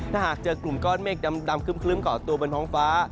ถ้าหากเจอกลุ่มก้อนเมฆดำครึ้มก่อตัวบนท้องฟ้า